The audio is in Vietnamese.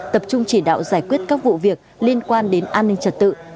tập trung chỉ đạo giải quyết các vụ việc liên quan đến an ninh trật tự